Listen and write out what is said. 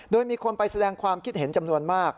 โดยมีคนไปแสดงความคิดเห็นจำนวนมาก